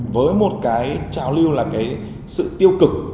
với một cái trào lưu là cái sự tiêu cực